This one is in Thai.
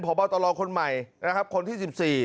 พบตรคนใหม่นะครับคนที่๑๔